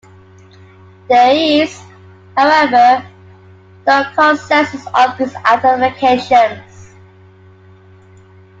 There is, however, no consensus on these identifications.